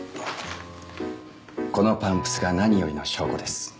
このパンプスが何よりの証拠です。